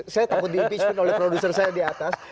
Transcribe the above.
saya takut diinfiskan oleh produser saya di atas